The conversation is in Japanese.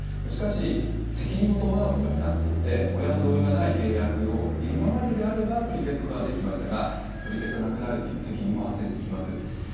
しかし、責任を伴うことにもなっていて、親の同意がない契約を、今までであれば取り消すことができましたが、取り消せなくなるという責任も発生してきます。